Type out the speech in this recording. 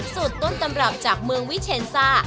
สูตรต้นตำรับจากเมืองวิเชนซ่า